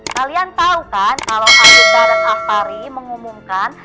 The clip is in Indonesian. kalian tau kan kalo abdul darat al fahri mengumumkan